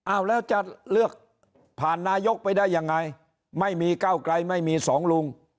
อ้าวแล้วจะเลือกผ่านนายกไปได้ยังไงไม่มีก้าวไกลไม่มีสองลุง